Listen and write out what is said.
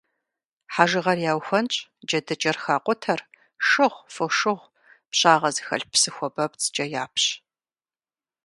Хьэжыгъэр яухуэнщӏ, джэдыкӏэр хакъутэр шыгъу, фошыгъу, пщагъэ зыхэлъ псы хуабэпцӏкӏэ япщ.